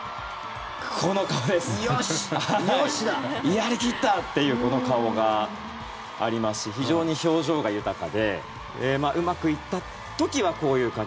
やり切った！っていうこの顔がありますし非常に表情が豊かでうまくいった時はこういう感じ。